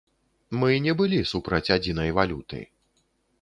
Мы не былі супраць адзінай валюты.